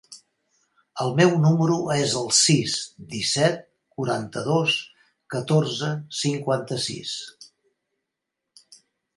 El meu número es el sis, disset, quaranta-dos, catorze, cinquanta-sis.